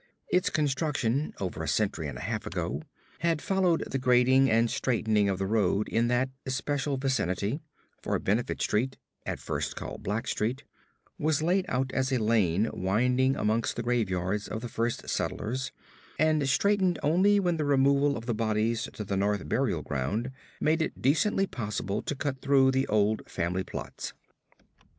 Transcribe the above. Its construction, over a century and a half ago, had followed the grading and straightening of the road in that especial vicinity; for Benefit Street at first called Back Street was laid out as a lane winding amongst the graveyards of the first settlers, and straightened only when the removal of the bodies to the North Burial Ground made it decently possible to cut through the old family plots.